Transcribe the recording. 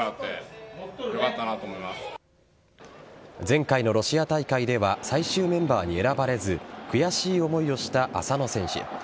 前回のロシア大会では最終メンバーに選ばれず悔しい思いをした浅野選手。